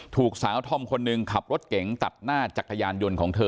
ถูกสาวธอมคนหนึ่งขับรถเก๋งตัดหน้าจักรยานยนต์ของเธอ